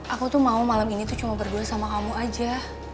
aku tuh mau malam ini tuh cuma berdua sama kamu aja